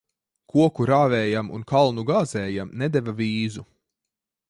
Koku rāvējam un kalnu gāzējam nedeva vīzu.